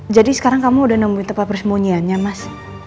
jadi sekarang kamu udah nemuin tempat persembunyiannya mas